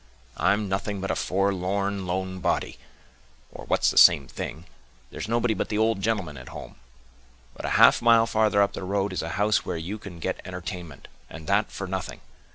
"I'm nothing but a forlorn lone body; or, what's the same thing, there's nobody but the old gentleman at home; but a half mile farther up the road is a house where you can get entertainment, and that for nothing.